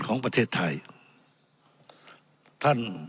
ของประเทศไทย